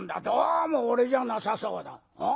どうも俺じゃなさそうだ。